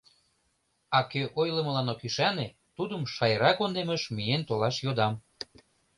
А кӧ ойлымылан ок ӱшане, тудым Шайра кундемыш миен толаш йодам.